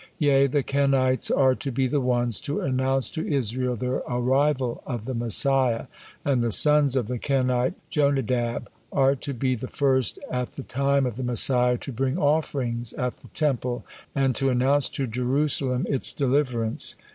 Yea, the Kenites are to be the ones to announce to Israel the arrival of the Messiah, and the sons of the Kenite Jonadab are to be the first at the time of the Messiah to bring offerings at the Temple and to announce to Jerusalem its deliverance.